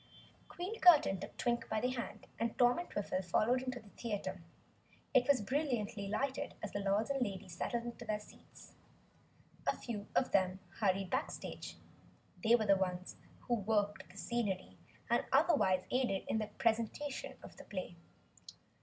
Queen Curtain took Twink by the hand, and Tom and Twiffle followed into the theater. It was brilliantly lighted as the Lords and Ladies settled into their seats. A few of them hurried backstage they were the ones who worked the scenery and otherwise aided in the presentation of the play.